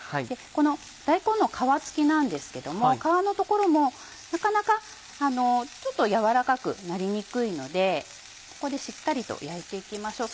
この大根の皮付きなんですけども皮の所もなかなかちょっと軟らかくなりにくいのでここでしっかりと焼いて行きましょう。